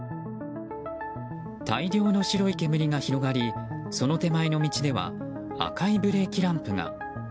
大量の白い煙が広がりその手前の道では赤いブレーキランプが。